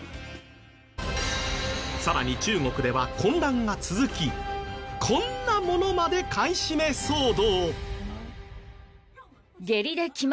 さらに中国では混乱が続きこんなものまで買い占め騒動。